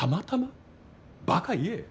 バカ言え。